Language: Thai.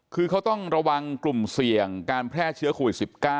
คือเขาต้องระวังกลุ่มเสี่ยงการแพร่เชื้อโควิด๑๙